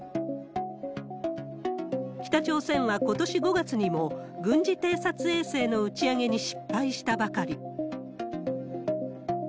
北朝鮮はことし５月にも、軍事偵察衛星の打ち上げに失敗したばかり。